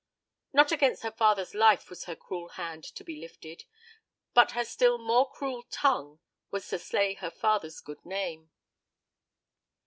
Not against her father's life was her cruel hand to be lifted; but her still more cruel tongue was to slay her father's good name.